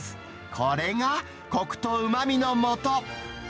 これがこくとうまみのもと。